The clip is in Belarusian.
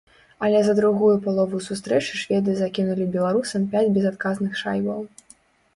Але за другую палову сустрэчы шведы закінулі беларусам пяць безадказных шайбаў.